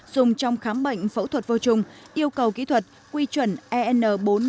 dùng trong khám bệnh phẫu thuật vô trùng yêu cầu kỹ thuật quy chuẩn en bốn trăm năm mươi